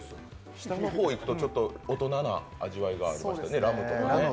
下の方へ行くと大人な味わいがありましてね、ラムとかね。